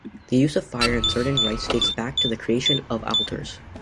The use of fire in certain rites dates back to the creation of altars.